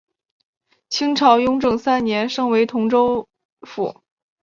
清朝雍正三年升为同州府。